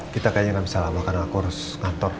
kita kayaknya gak bisa lama karena aku harus kantor